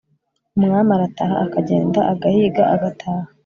umwami arataha, akagenda agahiga agataha